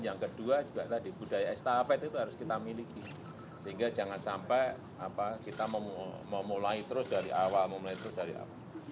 yang kedua juga tadi budaya estafet itu harus kita miliki sehingga jangan sampai kita memulai terus dari awal memulai terus dari awal